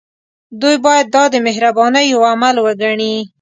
دوی باید دا د مهربانۍ يو عمل وګڼي.